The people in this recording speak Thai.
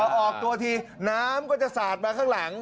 ออกตัวทีน้ำก็จะสาดมาข้างหลัง